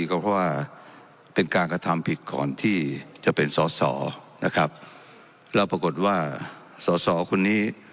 ก็เพราะว่าเป็นการกระทำผิดก่อนที่จะเป็นสอสอนะครับแล้วปรากฏว่าสอสอคนนี้